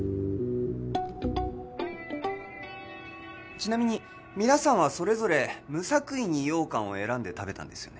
ちなみに皆さんはそれぞれ無作為に羊羹を選んで食べたんですよね